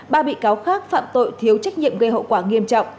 ba bị cáo khác phạm tội thiếu trách nhiệm gây hậu quả nghiêm trọng